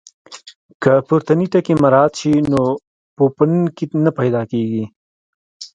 که پورتني ټکي مراعات شي نو پوپنکي نه پیدا کېږي.